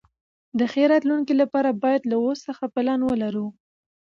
د ښې راتلونکي لپاره باید له اوس څخه پلان ولرو.